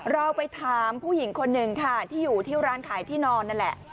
เราไปถามผู้หญิงคนหนึ่งค่ะที่อยู่ที่ร้านขายที่นอนนั่นแหละ